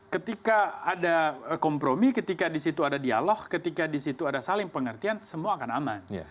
ketika ada kompromi ketika disitu ada dialog ketika disitu ada saling pengertian semua akan aman